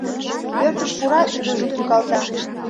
Пӧртыш пура, ӱдыржым тӱкалта.